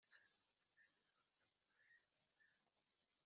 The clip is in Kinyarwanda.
ubuse nyirye aka kanya